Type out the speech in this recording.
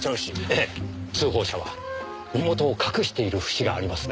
ええ通報者は身元を隠している節がありますね。